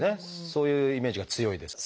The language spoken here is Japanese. そういうイメージが強いです。